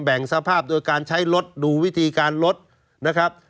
สภาพโดยการใช้รถดูวิธีการลดนะครับ